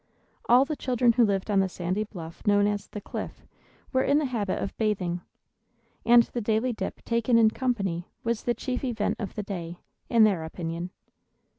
All the children who lived on the sandy bluff known as "The Cliff" were in the habit of bathing; and the daily dip taken in company was the chief event of the day, in their opinion.